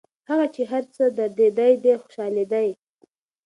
هغه چي هر څه دردېدی دی خوشحالېدی